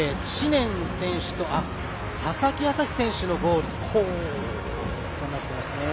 知念選手と佐々木旭選手のゴールとなっています。